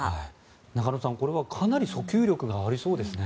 中野さん、これはかなり訴求力がありそうですね。